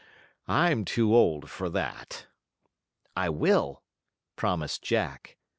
I'm too old for that." "I will," promised Jack.